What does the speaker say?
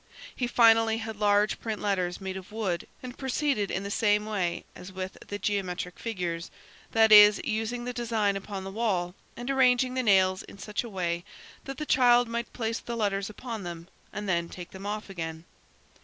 He finally had large print letters made of wood and proceeded in the same way as with the geometric figures, that is, using the design upon the wall and arranging the nails in such a way that the child might place the letters upon them and then take them off again.